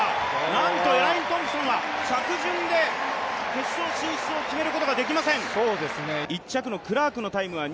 なんとエライン・トンプソンは着順で決勝進出を決めることができません。